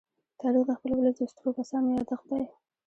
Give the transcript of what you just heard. تاریخ د خپل ولس د سترو کسانو يادښت دی.